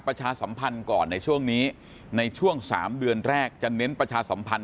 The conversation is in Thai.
ประชาสัมพันธ์ก่อนในช่วงนี้ในช่วง๓เดือนแรกจะเน้นประชาสัมพันธ